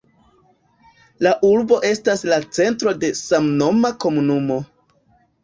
La urbo estas la centro de samnoma komunumo.